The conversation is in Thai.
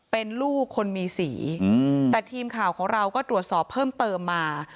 เป็นลูกคนมีสีแต่ทีมข่าวของเราก็ตรวจสอบเพิ่มเติมมา